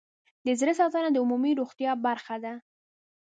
د زړه ساتنه د عمومي روغتیا برخه ده.